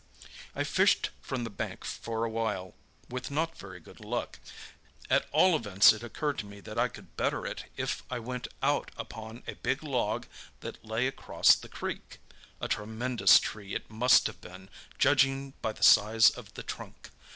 "I fished from the bank for a while, with not very good luck. At all events, it occurred to me that I could better it if I went out upon a big log that lay right across the creek—a tremendous tree it must have been, judging by the size of the trunk.